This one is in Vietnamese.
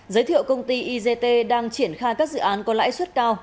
giới thiệu công ty igt đang triển khai các dự án có lãi suất cao